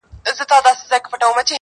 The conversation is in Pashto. عامه سړک کې موټر راباندې را ګرځوي